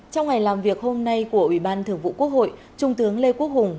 trong ngày làm việc hôm nay của ủy ban thường vụ quốc hội trung tướng lê quốc hùng